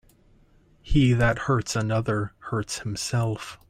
He that hurts another, hurts himself.